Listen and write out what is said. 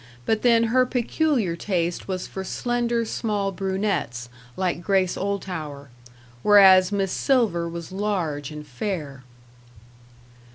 But then her peculiar taste was for slender, small brunettes, like Grace Oldtower; whereas Miss Silver was large and fair.